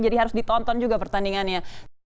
jadi harus ditonton juga pertandingannya